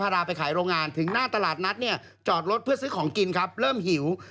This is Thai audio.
เราเรียกแล้ว